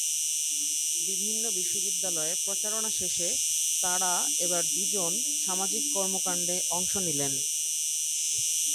বিভিন্ন বিশ্ববিদ্যালয়ে প্রচারণা শেষে তাঁরা এবার দুজন সামাজিক কর্মকাণ্ডে অংশ নিলেন।